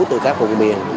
từ các vùng biển